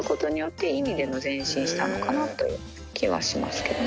のかなという気はしますけどね。